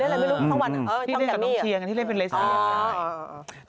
ที่เล่นกับน้องเชียงที่เล่นเป็นเลสติน